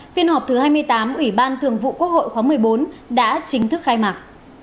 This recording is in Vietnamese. phiên họp thứ hai mươi tám ủy ban thường vụ quốc hội khóa một mươi bốn đã chính thức khai mạc